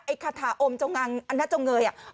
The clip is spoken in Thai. ไอ้คาถาอมจงอางอันน่าจงเงย